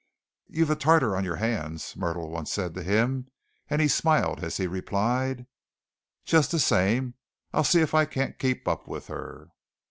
"You've a Tartar on your hands," Myrtle once said to him, and he smiled as he replied: "Just the same I'll see if I can't keep up with her."